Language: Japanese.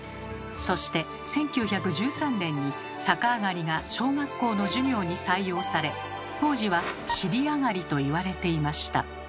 そして１９１３年に逆上がりが小学校の授業に採用され当時は「尻上」といわれていました。